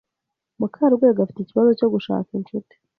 Mukarwego afite ikibazo cyo gushaka inshuti.